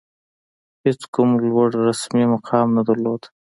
هېڅ کوم لوړ رسمي مقام نه درلود.